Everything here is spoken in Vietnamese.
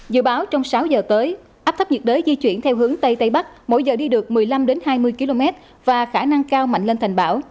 dự báo trong sáu giờ tới áp thấp nhiệt đới di chuyển theo hướng tây tây bắc mỗi giờ đi được một mươi năm hai mươi km và khả năng cao mạnh lên thành bão